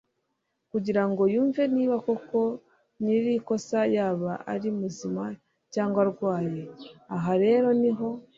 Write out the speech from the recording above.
kugira ngo yumve niba koko nyir'ikosa yaba ari muzima cyangwa arwaye. aha rero niho